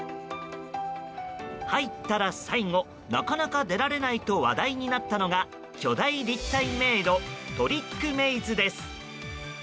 入ったら最後なかなか出られないと話題になったのが巨大立体迷路トリックメイズです。